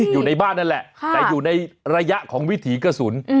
อยู่ในบ้านนั่นแหละแต่อยู่ในระยะของวิถีกระสุน